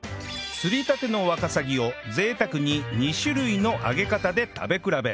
釣りたてのワカサギを贅沢に２種類の揚げ方で食べ比べ